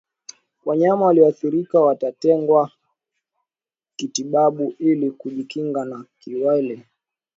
Wanyama walioathirika watengwe kitabibu ili kujikinga na kiwele